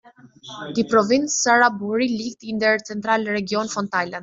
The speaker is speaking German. Die Provinz Saraburi liegt in der Zentralregion von Thailand.